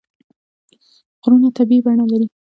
غرونه طبیعي بڼه لري.